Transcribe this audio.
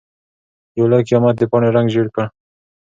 يو لوی قيامت د پاڼې رنګ ژېړ کړ.